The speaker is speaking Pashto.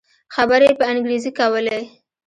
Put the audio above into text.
خبرې يې په انګريزي کولې.